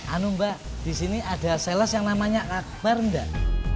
anu mbak disini ada sales yang namanya akbar enggak